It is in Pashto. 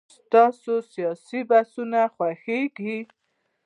ستاسو سياسي بحثونه خوښيږي.